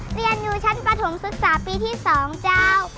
เรียนอยู่ชั้นปฐมศึกษาปีที่๒เจ้า